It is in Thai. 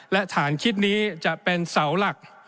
และฐานคิดนี้จะเป็นเสาหลัก